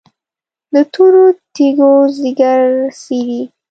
د تورو تیږو ځیګر څیري،